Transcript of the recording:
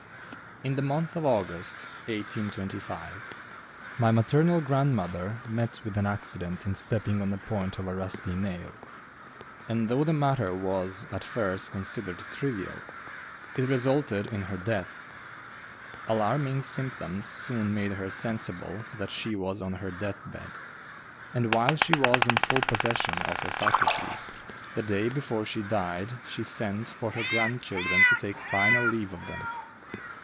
In the month of August, 1825, my maternal grandmother met with an accident in stepping on the point of a rusty nail, and, though the matter was at first considered trivial, it resulted in her death. Alarming symptoms soon made her sensible that she was on her death bed; and while she was in full possession of her faculties, the day before she died she sent for her grandchildren to take final leave of them.